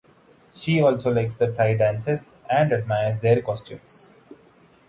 She also likes the Thai dances and admires their costumes.